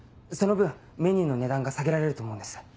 その分メニューの値段が下げられると思うんです。